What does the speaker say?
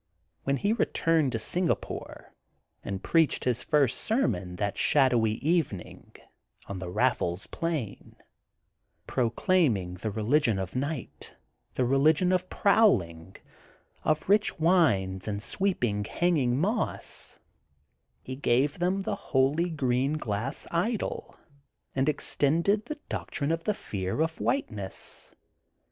When he returned to Singapore and preached his first sermon that shadowy eve ning on the I^ffles plain, proclaiming the religion of night, the religion of prowling, of rich wines and sweeping hanging moss, he gave them the Holy Green Glass Idol, and extended the doctrine of the fear of whiteness.